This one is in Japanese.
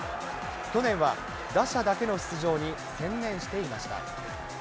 去年は打者だけの出場に専念していました。